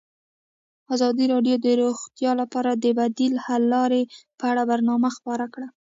ازادي راډیو د روغتیا لپاره د بدیل حل لارې په اړه برنامه خپاره کړې.